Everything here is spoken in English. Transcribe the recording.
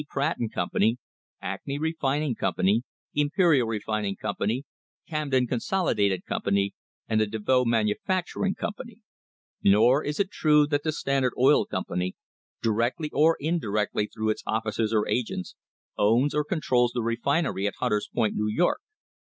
Pratt and Company, Acme Refining Company, Imperial Refining Company, Camden Consolidated Company, and the Devoe Manufacturing Company; nor is it true that the Standard Oil Company, directly or indirectly through its officers or agents, owns or controls the refinery at Hunter's Point, New York.